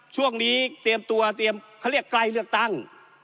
ช่วงนี้เตรียมตัวเตรียมเขาเรียกไกลเลือกตั้ง